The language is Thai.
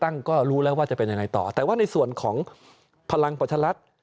ก็รู้แล้วว่าจะเป็นยังไงต่อแต่ว่าในส่วนของพลังประชารัฐ